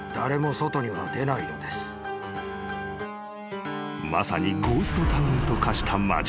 ［まさにゴーストタウンと化した町］